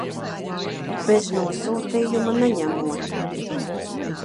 Bez nosūtījuma neņemot.